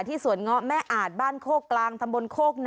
สวนเงาะแม่อาจบ้านโคกกลางตำบลโคก